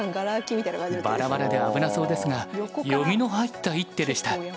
バラバラで危なそうですが読みの入った一手でした。